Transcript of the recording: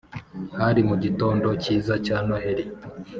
hari mu gitond cyiza cya noheli